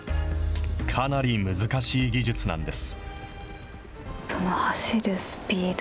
かなり難しい技術なんです。